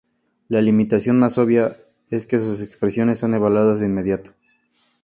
La limitación más obvia es que sus expresiones son evaluadas de inmediato.